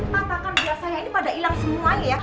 tatakan gelas saya ini pada ilang semuanya ya